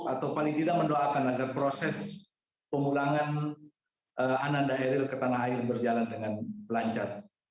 atau paling tidak mendoakan agar proses pemulangan ananda eril ke tanah air berjalan dengan lancar